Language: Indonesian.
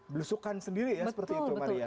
belusukan sendiri ya seperti itu maria